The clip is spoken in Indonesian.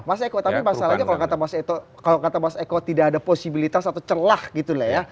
mas eko kalau kata mas eko tidak ada posibilitas atau celah gitu ya